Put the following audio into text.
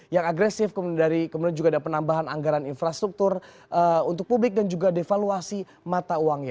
yang agresif kemudian juga ada penambahan anggaran infrastruktur untuk publik dan juga devaluasi mata uangnya